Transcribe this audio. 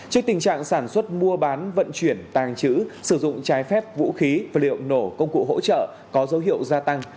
trước tình trạng sản xuất mua bán vận chuyển tàng trữ sử dụng trái phép vũ khí và liệu nổ công cụ hỗ trợ có dấu hiệu gia tăng